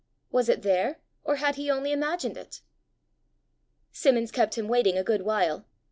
Was it there, or had he only imagined it? Simmons kept him waiting a good while.